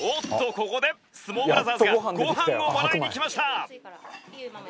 ここで相撲ブラザーズがご飯をもらいにきました！